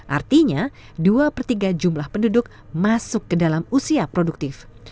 artinya dua per tiga jumlah penduduk masuk ke dalam usia produktif